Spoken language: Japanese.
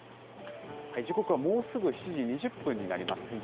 時刻はもうすぐ７時２０分になります。